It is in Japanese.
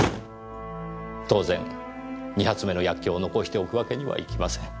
当然２発目の薬莢を残しておくわけにはいきません。